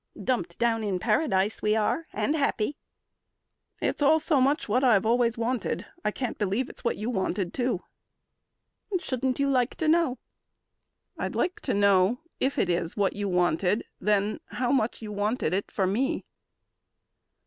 "Dumped down in paradise we are and happy." "It's all so much what I have always wanted, I can't believe it's what you wanted, too." "Shouldn't you like to know?" "I'd like to know If it is what you wanted, then how much You wanted it for me."